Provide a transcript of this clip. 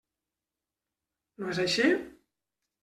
No és així?